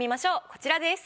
こちらです。